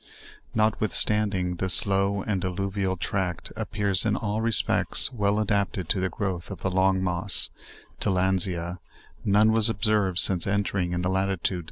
Notwithstanding, this low and alluvial tract appears in all respects well adap ted to the growth of the long moss (tilandsia) none was ob served since entering it in latitude 32.